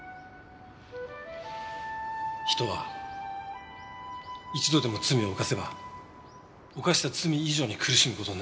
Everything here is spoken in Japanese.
人は一度でも罪を犯せば犯した罪以上に苦しむ事になる。